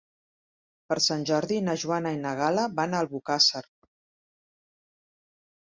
Per Sant Jordi na Joana i na Gal·la van a Albocàsser.